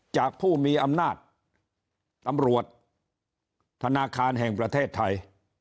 จากผู้มีอำนาจตำรวจธนาคารแห่งประเทศไทย